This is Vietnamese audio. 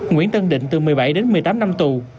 nguyễn tân định từ một mươi bảy đến một mươi tám năm tù